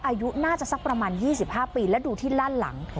อายุน่าจะสักประมาณยี่สิบห้าปีแล้วดูที่ล่านหลัง